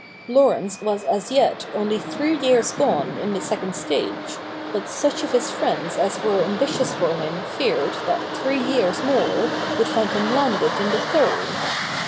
Laurence was as yet only three years gone in the second stage, but such of his friends as were ambitious for him feared that three years more would find him landed in the third.